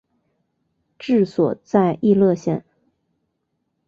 治所在溢乐县。